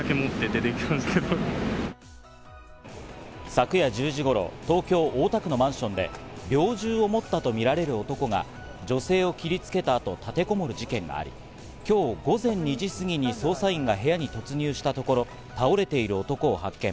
昨夜１０時頃、東京・大田区のマンションで猟銃を持ったとみられる男が女性を切りつけたあと、立てこもる事件があり、今日午前２時すぎに捜査員が部屋に突入したところ、倒れている男を発見。